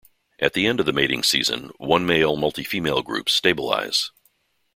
At the end of the mating season, one-male, multi-female groups stabilize.